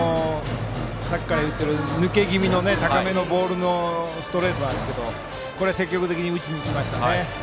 さっきから言っている抜け気味の高めのボールのストレートなんですけど積極的に打ちに行きましたね。